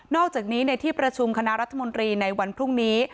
อกจากนี้ในที่ประชุมคณะรัฐมนตรีในวันพรุ่งนี้